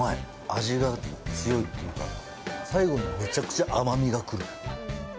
味が強いというか、最後にめちゃくちゃ甘みが来る。